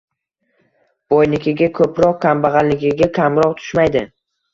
Boynikiga ko‘proq, kambag‘alnikiga kamroq tushmaydi.